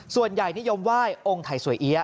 ส่วนใหญ่นิยมไหว้องค์ไทยสวยเอี๊ย